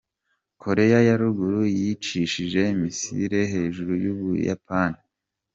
Korea ya ruguru yecishije misile hejuru y'Ubuyapani.